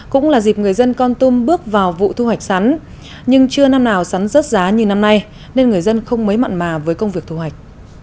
cũng là dịp người dân con tum bước vào vụ thu hoạch sắn nhưng chưa năm nào sắn rớt giá như năm nay nên người dân không mấy mặn mà với công việc thu hoạch